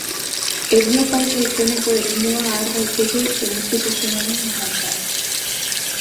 Heliopausa izeneko eremua har daiteke eguzki-sistemaren mugatzat.